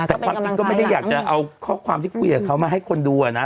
แต่ความจริงก็ไม่ได้อยากจะเอาข้อความที่คุยกับเขามาให้คนดูอะนะ